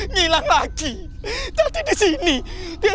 ngilang lagi tadi disini tadi disitu